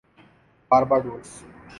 Barbados